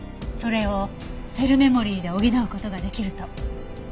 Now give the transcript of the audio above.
それをセルメモリーで補う事ができると？